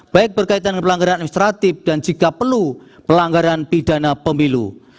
baik berkaitan dengan pelanggaran administratif dan jika perlu pelanggaran pidana pemilu